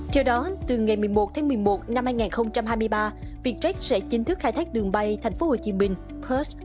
theo đó từ ngày một mươi một một mươi một hai nghìn hai mươi ba vietjet sẽ chính thức khai thác đường bay tp hcm purse